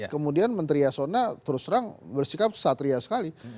kemudian menteri yasona terus terang bersikap satria sekali